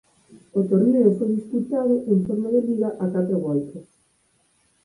O torneo foi disputado en forma de liga a catro voltas.